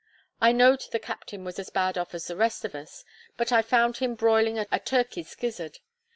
I knowed the captain was as bad off as the rest of us, but I found him broiling a turkey's gizzard.